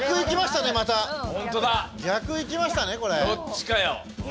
どっちかよ。